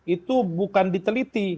itu bukan diteliti